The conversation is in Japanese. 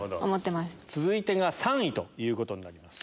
続いてが３位ということになります。